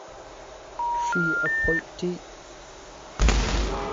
Hri a phoih tih?